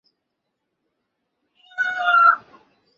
তার মা-বাবা শহরের নতুন বাজারের বিসিক এলাকায় ভাড়া বাড়িতে বসবাস করেন।